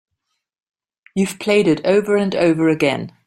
You've played it over and over again.